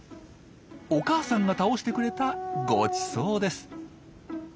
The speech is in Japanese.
お母さんが倒してくれたごちそうです。